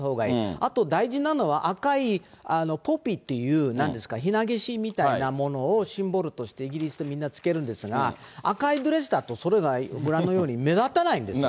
あと大事なのは赤いポピーっていう、なんですか、ヒナゲシみたいなものをシンボルとしてイギリスでみんなつけるんですが、赤いドレスだとそれがご覧のように、目立たないんですよ。